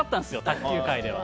卓球界では。